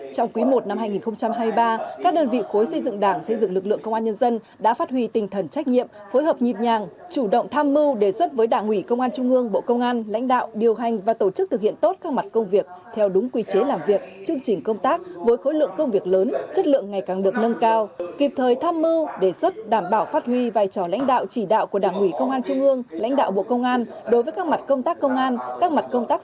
trong quý i năm hai nghìn hai mươi ba các đơn vị khối xây dựng đảng xây dựng lực lượng công an nhân dân đã phát huy tình thần trách nhiệm phối hợp nhịp nhàng chủ động tham mưu đề xuất với đảng ủy công an trung ương bộ công an lãnh đạo điều hành và tổ chức thực hiện tốt các mặt công việc theo đúng quy chế làm việc chương trình công tác với khối lượng công việc lớn chất lượng ngày càng được nâng cao kịp thời tham mưu đề xuất đảm bảo phát huy vai trò lãnh đạo chỉ đạo của đảng ủy công an trung ương lãnh đạo bộ công an đối với các m